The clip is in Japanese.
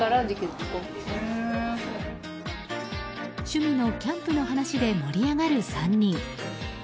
趣味のキャンプの話で盛り上がる３人。